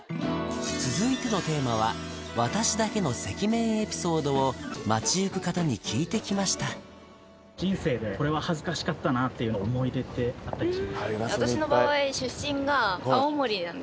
続いてのテーマはを街行く方に聞いてきました人生でこれは恥ずかしかったなっていう思い出ってあったりしますか？